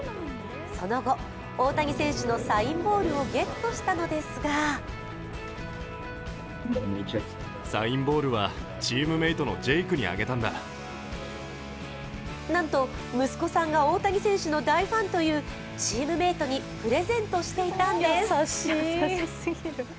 その後、大谷選手のサインボールをゲットしたのですがなんと、息子さんが大谷選手の大ファンというチームメートにプレゼントしていたんです。